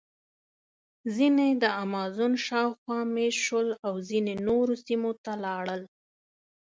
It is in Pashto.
ځینې د امازون شاوخوا مېشت شول او ځینې نورو سیمو ته لاړل.